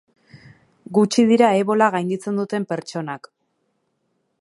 Gutxi dira ebola gainditzen duten pertsonak.